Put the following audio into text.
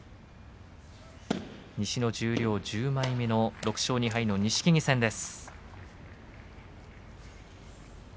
西の十両１０枚目、６勝２敗の錦木戦です。